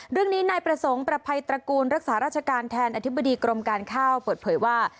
เรื่องนี้นายประสงค์ประภัยตระกูลรักษาราชการแทนอธิบดีกรมการข้าวเปิดเผยว่า